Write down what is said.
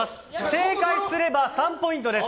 正解すればスリーポイントです。